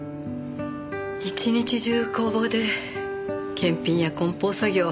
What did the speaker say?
一日中工房で検品や梱包作業。